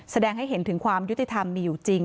แสดงให้เห็นถึงความยุติธรรมมีอยู่จริง